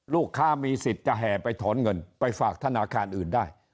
ลูกค้ามีสิทธิ์จะแห่ไปถอนเงินไปฝากธนาคารอื่นได้